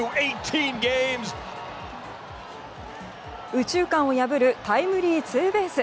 右中間を破るタイムリーツーベース。